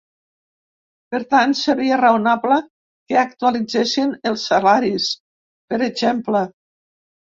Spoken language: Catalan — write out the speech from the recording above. Per tant, seria raonable que actualitzessin els salaris, per exemple.